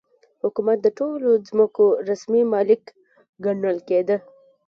حکومت د ټولو ځمکو رسمي مالک ګڼل کېده.